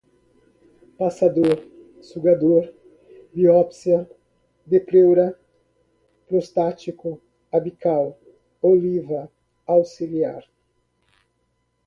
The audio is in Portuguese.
angulado, articulado, passador, sugador, biópsia de pleura, prostático, apical, oliva, auxiliar